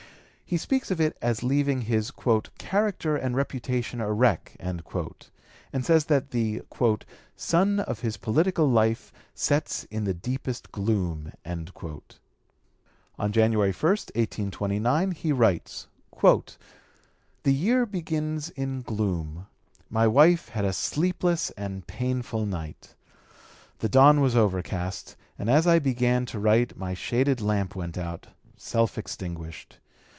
He speaks of it as leaving his "character and reputation a wreck," and says that the "sun of his political life sets in the deepest gloom." On January 1, 1829, he writes: "The year begins in gloom. My wife had a sleepless and painful night. The dawn was overcast, and as I began to write my shaded lamp went out, self extinguished.